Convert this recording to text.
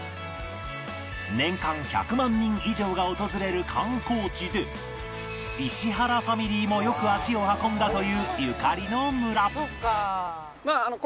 年間１００万人以上が訪れる観光地で石原ファミリーもよく足を運んだというゆかりの村村はどこ？